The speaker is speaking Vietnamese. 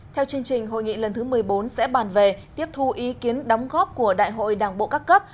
theo chương trình hội nghị lần thứ một mươi bốn sẽ bàn về tiếp thu ý kiến đóng góp của đại hội đảng bộ các cấp